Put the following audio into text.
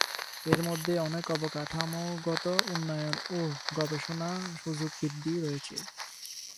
এর মধ্যে অনেক অবকাঠামোগত উন্নয়ন ও গবেষণা সুযোগ বৃদ্ধি রয়েছে।